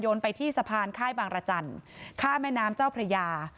ไปที่สะพานค่ายบางรจันทร์ข้ามแม่น้ำเจ้าพระยา